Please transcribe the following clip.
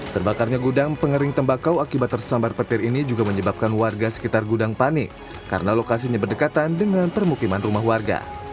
terbakarnya gudang pengering tembakau akibat tersambar petir ini juga menyebabkan warga sekitar gudang panik karena lokasinya berdekatan dengan permukiman rumah warga